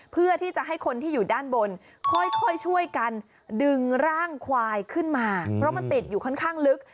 เพื่อที่จะให้คนที่อยู่ด้านบนค่อยช่วยกันดึงร่างควายขึ้นมาเพราะมันติดอยู่ค่อนข้างลึก